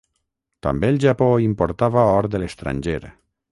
També el Japó importava or de l'estranger.